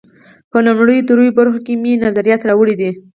په لومړیو درېیو برخو کې مې نظریات راوړي دي.